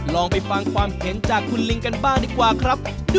ลองไปฟังความเห็นจากคุณลิงกันบ้างดีกว่าครับ